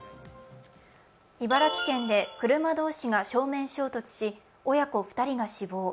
茨城県で車同士が正面衝突し、親子２人が死亡。